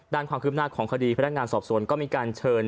ด้านความคืบหน้าของคดีพนักงานสอบสวนก็มีการเชิญ